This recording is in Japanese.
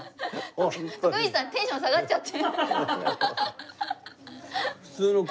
徳光さんテンション下がっちゃって。